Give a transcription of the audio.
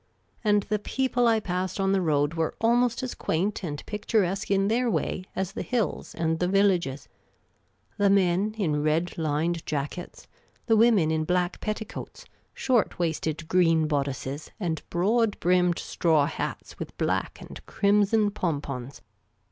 And the people I passed on the road were almost as quaint and picturesque in their way as the hills and the villages — the men in red lined jackets ; the women in black petticoats, short waisted green bodices, and broad brinnned straw hats with black and crimson pompons.